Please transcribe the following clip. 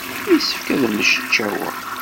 Yessefk ad mmecčaweɣ.